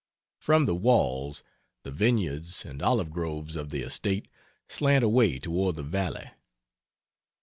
From the walls the vineyards and olive groves of the estate slant away toward the valley....